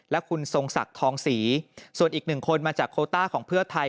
และคุณทรงศักดิ์ทองศรีส่วนอีกหนึ่งคนมาจากโคต้าของเพื่อไทย